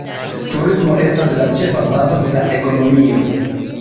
Turismo estas la ĉefa bazo de la ekonomio.